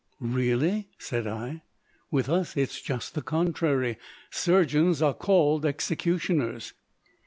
"Really?" said I. "With us it is just the contrary; surgeons are called executioners."